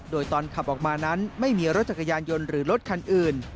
โดยตอนขับออกมานั้นไม่มีรถจักรยานยนต์หรือรถคันอื่น